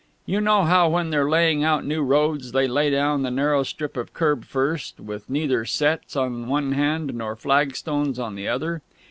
You know how, when they're laying out new roads, they lay down the narrow strip of kerb first, with neither setts on the one hand nor flagstones on the other?